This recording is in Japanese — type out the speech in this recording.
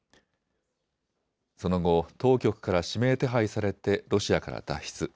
その後、当局から指名手配されてロシアから脱出。